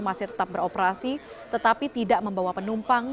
masih tetap beroperasi tetapi tidak membawa penumpang